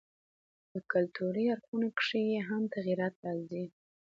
په کلتوري اړخونو کښي ئې هم تغيرات راځي.